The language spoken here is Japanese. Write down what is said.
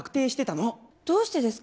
どうしてですか？